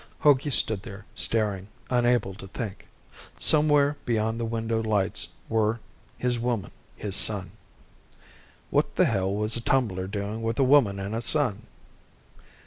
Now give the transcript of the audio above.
Hogey stood there staring, unable to think. Somewhere beyond the window lights were his woman, his son. What the hell was a tumbler doing with a woman and a son?